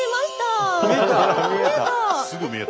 見えた？